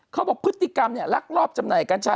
เขาบอกพฤติกรรมเนี่ยลักลอบจำหน่ายกัญชา